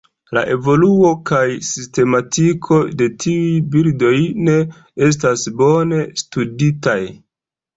La evoluo kaj sistematiko de tiuj birdoj ne estas bone studitaj.